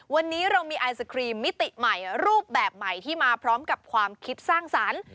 วันนี้เรามีไอศครีมมิติใหม่รูปแบบใหม่ที่มาพร้อมกับความคิดสร้างสรรค์